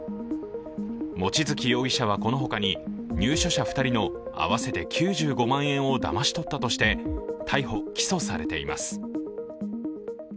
望月容疑者はこのほかに、入所者２人の合わせて９５万円をだまし取ったとして逮捕・起訴されています。